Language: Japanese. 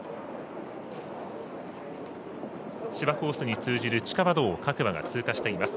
芝コースに通じる地下馬道を各馬が通過しています。